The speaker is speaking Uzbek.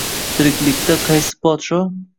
Tiriklikda qaysi podsho